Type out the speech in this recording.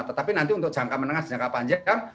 tetapi nanti untuk jangka menengah dan jangka panjang